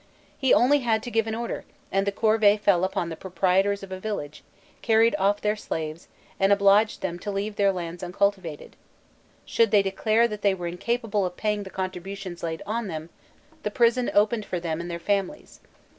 He had only to give an order, and the corvée fell upon the proprietors of a village, carried off their slaves and obliged them to leave their lands uncultivated; should they declare that they were incapable of paying the contributions laid on them, the prison opened for them and their families.